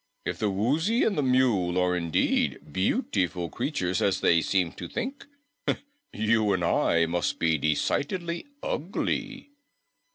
If the Woozy and the Mule are indeed beautiful creatures as they seem to think, you and I must be decidedly ugly."